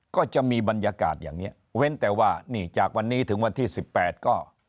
ก็จะมีบรรยากาศอย่างนี้เว้นแต่ว่านี่จากวันนี้ถึงวันที่สิบแปดก็